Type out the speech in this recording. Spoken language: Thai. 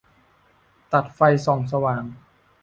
ตัดไฟส่องสว่าง